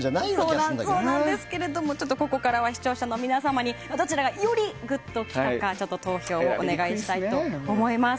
ここからは視聴者の皆様にどちらがよりグッと来たか投票をお願いしたいと思います。